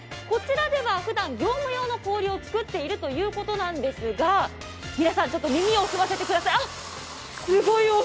こちらではふだん業務用の氷を作っているということなんですが、皆さん耳を澄ませてください。